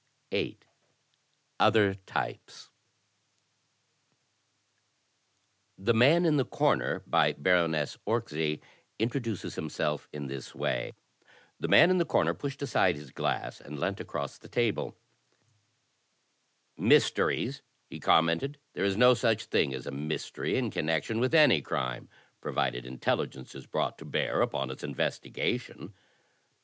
8. Other Types "The Man In The Corner," by Baroness Orczy, introduces himself in this way: 86 THE TECHNIQUE OF THE MYSTERY STORY The man in the corner pushed aside his glass, and leant across the table. "Mysteries!" he commented. "There is no such thing as a mystery in connection with any crime, provided inteUigence is brought to bear upon its investigation."